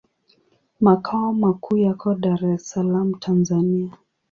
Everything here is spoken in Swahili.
Makao makuu yako Dar es Salaam, Tanzania.